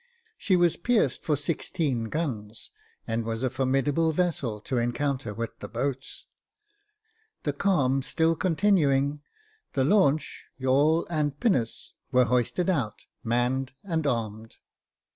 She was pierced for sixteen guns, and was a formidable vessel to encounter with the boats. The calm still continuing, the launch, yawl and pinnace were hoisted out, manned, and armed.